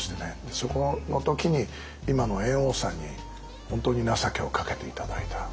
そこの時に今の猿翁さんに本当に情けをかけて頂いた。